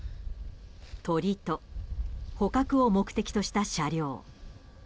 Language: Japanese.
鳥と捕獲を目的とした車両。